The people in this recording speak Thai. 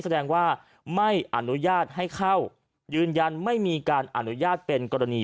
แสดงว่าไม่อนุญาตให้เข้ายืนยันไม่มีการอนุญาตเป็นกรณี